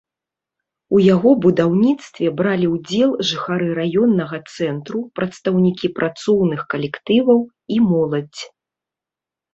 У яго будаўніцтве бралі ўдзел жыхары раённага цэнтру, прадстаўнікі працоўных калектываў і моладзь.